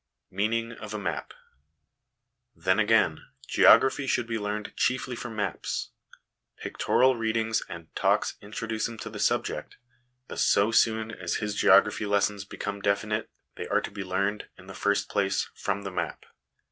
Meaning of a Map. Then, again, geography should be learned chiefly from maps. Pictorial read ings and talks introduce him to the subject, but so soon as his geography lessons become definite they are to be learned, in the first place, from the map.